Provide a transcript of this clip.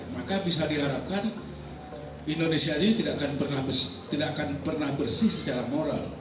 maka bisa diharapkan indonesia ini tidak akan pernah bersih secara moral